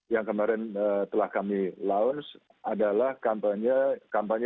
yang kemarin telah kami launch adalah kampanye